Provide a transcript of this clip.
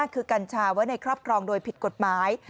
คือกัญชาไว้ในครอบครองโดยผิดกฎหมาย